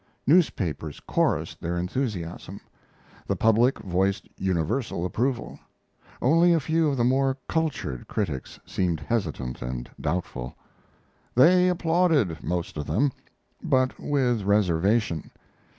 Newspapers chorused their enthusiasm; the public voiced universal approval; only a few of the more cultured critics seemed hesitant and doubtful. They applauded most of them but with reservation.